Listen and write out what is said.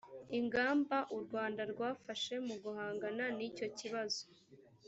ingamba u rwanda rwafashe mu guhangana nicyo kibazo